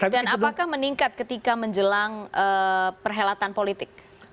dan apakah meningkat ketika menjelang perhelatan politik